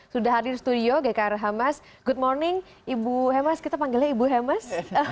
sudah hadir studio gkr hamas good morning ibu hemas kita panggilnya ibu hemas